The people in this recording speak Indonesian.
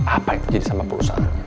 apa yang terjadi sama perusahaan